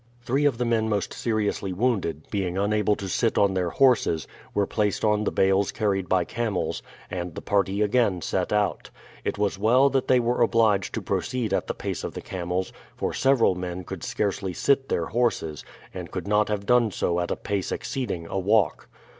Three of the men most seriously wounded, being unable to sit on their horses, were placed on the bales carried by camels, and the party again set out. It was well that they were obliged to proceed at the pace of the camels, for several men could scarcely sit their horses, and could not have done so at a pace exceeding a walk.